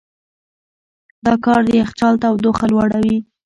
دا کار د یخچال تودوخه لوړوي.